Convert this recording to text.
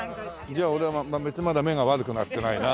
じゃあ俺はまだ目が悪くなってないな。